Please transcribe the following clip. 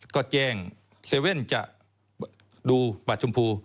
ก็แจ้ง๗๑๑จะดูบัตรชมพู